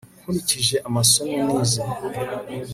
nkurikije amasomo nize